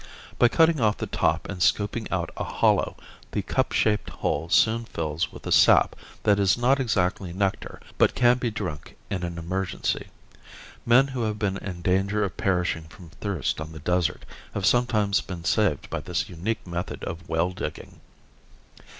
By cutting off the top and scooping out a hollow, the cup shaped hole soon fills with a sap that is not exactly nectar but can be drunk in an emergency. Men who have been in danger of perishing from thirst on the desert have sometimes been saved by this unique method of well digging.